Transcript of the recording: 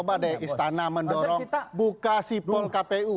coba deh istana mendorong buka sipol kpu